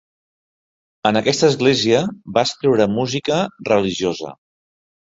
En aquesta església, va escriure música religiosa.